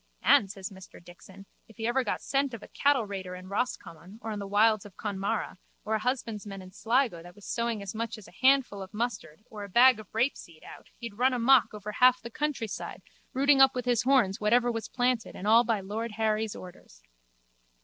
And, says Mr Dixon, if ever he got scent of a cattleraider in Roscommon or the wilds of Connemara or a husbandman in Sligo that was sowing as much as a handful of mustard or a bag of rapeseed out he'd run amok over half the countryside rooting up with his horns whatever was planted and all by lord Harry's orders.